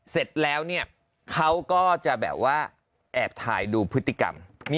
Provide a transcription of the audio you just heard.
เสร็จแล้วเนี่ยเขาก็จะแบบว่าแอบถ่ายดูพฤติกรรม